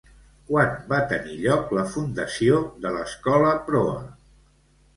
Quan va tenir lloc la fundació de l'Escola Proa?